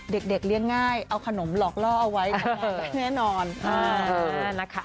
เด็กเลี้ยงง่ายเอาขนมหลอกล่อเอาไว้แน่นอน